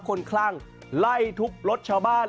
คลั่งไล่ทุบรถชาวบ้าน